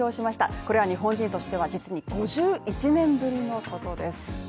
これは日本人としては実に５１年ぶりのことです